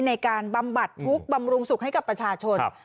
ในการบรรบัดพลุกบำรุงสุขให้กับประชาชนครับ